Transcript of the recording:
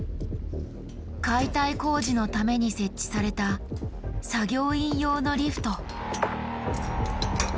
解体工事のために設置された作業員用のリフト。